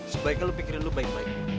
sebaiknya lo pikirin lo baik baik